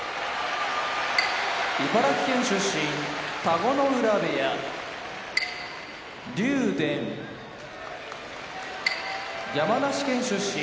茨城県出身田子ノ浦部屋竜電山梨県出身